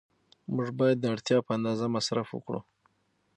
موږ باید د اړتیا په اندازه مصرف وکړو.